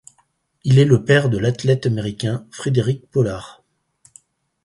Il est le père de l'athlète américain Frederick Pollard.